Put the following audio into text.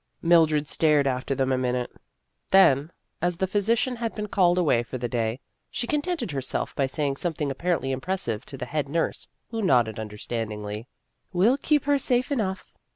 Mildred stared after them a minute. Then, as the physician had been called away for the day, she contented herself by saying something apparently impressive to the head nurse, who nodded understand ingly, "We '11 keep her safe enough."